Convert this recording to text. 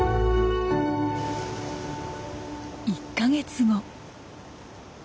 １か月後。